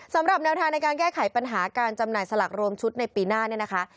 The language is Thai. สำหรับแนวทางในการแก้ไขปัญหาการจำหน่ายสลักโรงชุดในปีหน้า